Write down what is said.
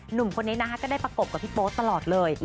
หนุ่มคนนี้นะคะก็ได้ประกบกับพี่โป๊สตลอดเลย